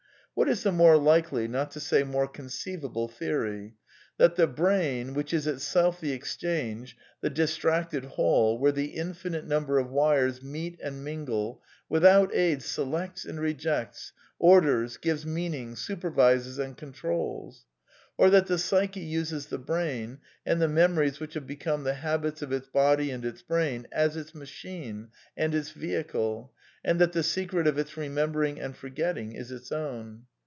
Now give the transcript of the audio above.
What is the more likely, not to say more conceivable, theory: that the brain, which is itself the exchange, the distracted hall where the infinite number of wires meet and mingle, without aid selects and rejects, orders, gives mean ing, supervises, and controls? Or that the psyche uses the brain, and the memories which have become the habits of its body and its brain, as its machine, and its vehicle ; and that the secret of its remembering and forgetting is its own?